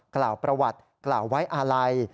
กล่าวประวัติกล่าวไว้อาลัย